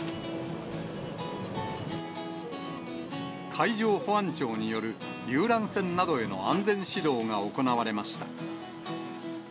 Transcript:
海上保安庁による、遊覧船などへの安全指導が行われました。